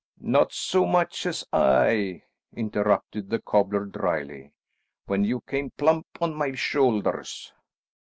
"Not so much as I," interrupted the cobbler dryly, "when you came plump on my shoulders."